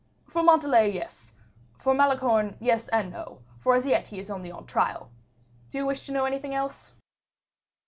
"For Montalais, yes; for Malicorne, yes and no; for as yet he is only on trial. Do you wish to know anything else?"